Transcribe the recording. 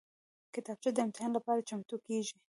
کتابچه د امتحان لپاره چمتو کېږي